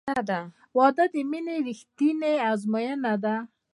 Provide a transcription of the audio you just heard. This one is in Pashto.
• واده د مینې رښتینی ازموینه ده.